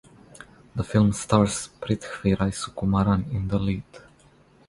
The film stars Prithviraj Sukumaran in the lead.